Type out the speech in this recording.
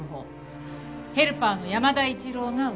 ヘルパーの山田一郎が疑われた。